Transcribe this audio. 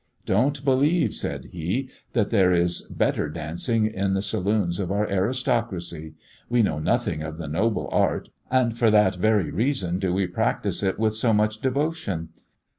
"Don't believe," said he, "that there is better dancing in the saloons of our aristocracy. We know nothing of the noble art, and for that very reason do we practise it with so much devotion.